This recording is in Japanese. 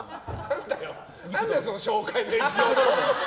何だよ、その紹介エピソード。